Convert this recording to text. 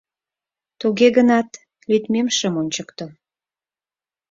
Туге гынат лӱдмем шым ончыкто.